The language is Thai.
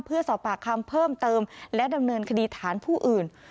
เพื่อสอบปากคำเพิ่มเติมและดำเนินคดีฐานผู้อื่น